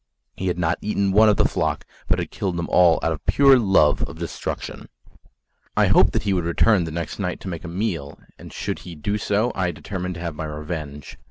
He had not eaten one of the flock, but had killed them all out of pure love of destruction. I hoped that he would return the next night to make a meal; and should he do so, I determined to have my revenge.